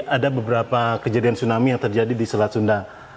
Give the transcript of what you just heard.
ada beberapa kejadian tsunami yang terjadi di selat sunda